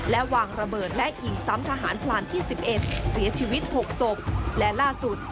และวางระเบิดและอิงซ้ำทหารพรานที่๑๑เสียชีวิต๖ง